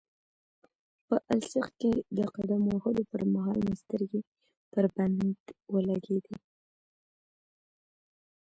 په السیق کې د قدم وهلو پرمهال مې سترګې پر بند ولګېدې.